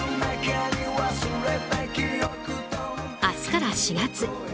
明日から４月。